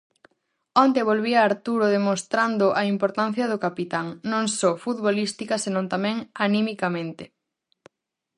Onte volvía Arturo demostrando a importancia do capitán, non só futbolística, senón tamén animicamente.